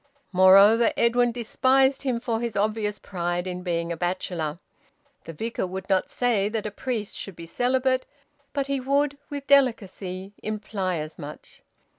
Moreover, Edwin despised him for his obvious pride in being a bachelor. The Vicar would not say that a priest should be celibate, but he would, with delicacy, imply as much.